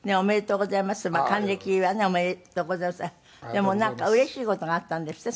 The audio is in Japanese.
「でもなんかうれしい事があったんですって？